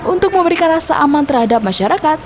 untuk memberikan rasa aman terhadap masyarakat